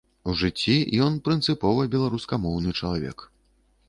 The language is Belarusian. У жыцці ён прынцыпова беларускамоўны чалавек.